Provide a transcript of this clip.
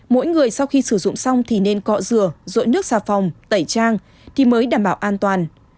mỗi người sau khi sử dụng xong thì nên cọ rửa nước xà phòng tẩy trang thì mới đảm bảo an toàn